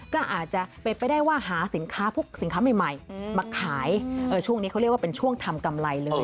ก็อาจจะเป็นไปได้ว่าหาสินค้าพวกสินค้าใหม่มาขายช่วงนี้เขาเรียกว่าเป็นช่วงทำกำไรเลย